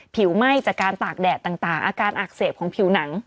ไหม้จากการตากแดดต่างอาการอักเสบของผิวหนัง